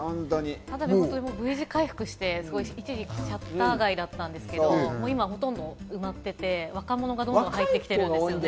Ｖ字回復して、一時期シャッター街だったんですけど、今ほとんど埋まっていて、若者がどんど入ってきています。